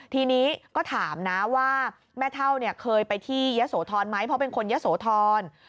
ทีนี้ก็ถามนะว่าแม่เท่าเนี่ยเคยไปที่ยะโสธรไหมเพราะเป็นคนยะโสธร